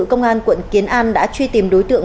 công an quận kiến an đã truy tìm đối tượng